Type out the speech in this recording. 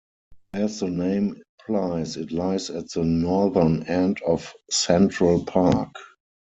As the name implies, it lies at the northern end of Central Park.